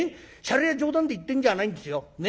シャレや冗談で言ってんじゃないんですよ。